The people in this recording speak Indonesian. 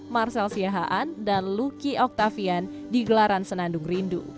marcel siahaan dan lucky octavian di gelaran senandung rindu